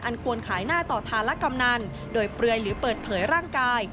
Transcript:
ควรขายหน้าต่อธารกำนันโดยเปลือยหรือเปิดเผยร่างกาย